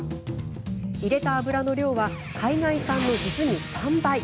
入れた油の量は海外産の実に３倍。